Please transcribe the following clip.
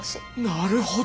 なるほど！